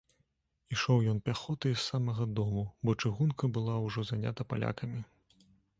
Ішоў ён пяхотай з самага дому, бо чыгунка была ўжо занята палякамі.